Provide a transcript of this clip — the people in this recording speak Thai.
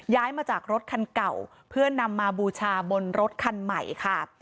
ย้ายมาจากรถคันเก่าเพื่อนำมาบูชาบนรถคันใหม่ค่ะ